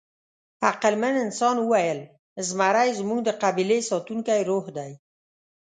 عقلمن انسان وویل: «زمری زموږ د قبیلې ساتونکی روح دی».